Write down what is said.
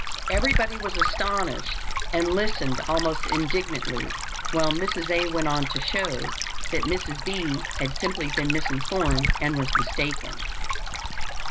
Everybody was astonished, and listened almost indignantly while Mrs. A. went on to show that Mrs. B. had simply been misinformed and was mistaken.